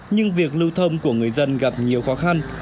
nhưng việc lưu thông của người dân gặp nhiều khó khăn